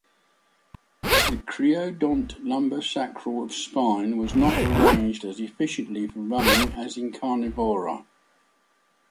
The creodont lumbosacral spine was not arranged as efficiently for running as in Carnivora.